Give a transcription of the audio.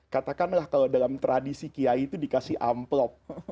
katakanlah kalau dalam tradisi kiai itu dikasih amplop